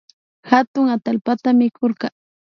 Atuk atallpata mikurka